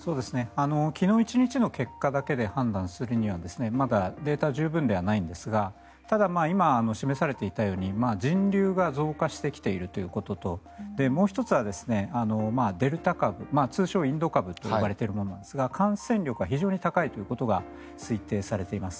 昨日１日の結果だけで判断するにはまだデータが十分ではないんですがただ、今示されていたとおり人流が増加してきているということともう１つはデルタ株通称・インド株と呼ばれているものですが感染力が非常に高いということが推定されています。